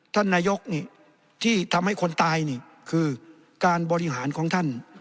ท่านนายกนี่ที่ทำให้คนตายนี่คือการบริหารของท่าน